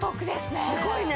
すごいね！